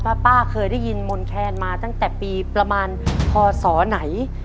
ป้าเคยได้ยินมนแคนมาตั้งแต่ปีประมาณพศไหน